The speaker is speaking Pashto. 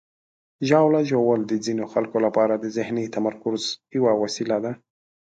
ژاوله ژوول د ځینو خلکو لپاره د ذهني تمرکز یوه وسیله ده.